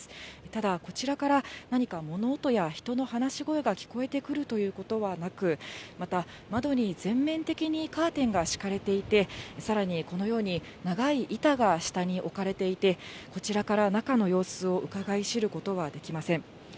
ただ、こちらから何か物音や人の話し声が聞こえてくるということはなく、また、窓に全面的にカーテンが敷かれていて、さらにこのように、長い板が下に置かれていて、こちらから中の様子をうかがい知ることはできません。